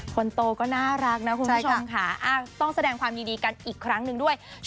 คนโตก็น่ารักนะคุณผู้ชมค่ะต้องแสดงความยินดีกันอีกครั้งหนึ่งด้วย